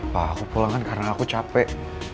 pak aku pulang kan karena aku capek